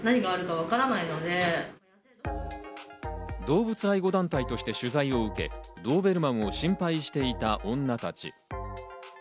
動物愛護団体として取材を受け、ドーベルマンを心配していた女たち。